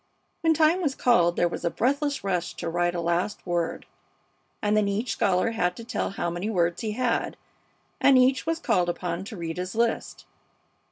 When time was called there was a breathless rush to write a last word, and then each scholar had to tell how many words he had, and each was called upon to read his list.